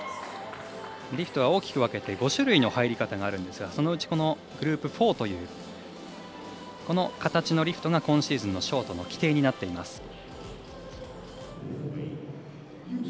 リフトは大きく分けて５種類の入り方がありますがそのうち、グループ４というこの形のリフトが今シーズンのショートの規定になっています。